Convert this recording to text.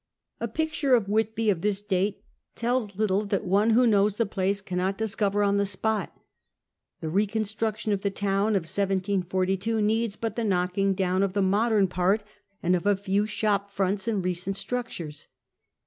A picture of Whitby of this date tells little that one who knows the jdacc cannot discover on the siiot ; the reconstruction of the town of 1742 needs but the knocking down of the modem part and of a few shoj) fronts and recent structures.